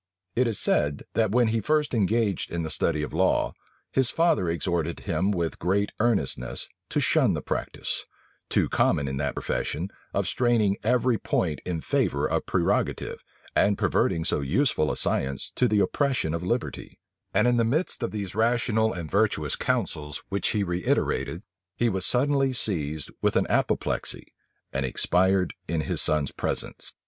It is said, that when he first engaged in the study of the law, his father exhorted him with great earnestness to shun the practice, too common in that profession, of straining every point in favor of prerogative, and perverting so useful a science to the oppression of liberty; and in the midst of these rational and virtuous counsels, which he reiterated, he was suddenly seized with an apoplexy, and expired in his son's presence.